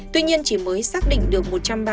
tuy nhiên chỉ mới xác định được một trăm ba mươi